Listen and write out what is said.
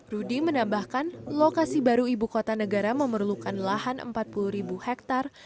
rudi menambahkan lokasi baru ibu kota negara memerlukan lahan empat puluh hektar